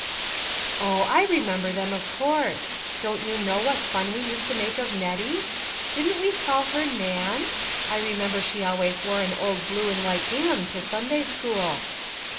" Oh ! I remember them, of course ; don't you know what fun we used to make of Nettie? Didn't we call her Nan? I remember she al ways wore an old blue and white gingham to Sunday school."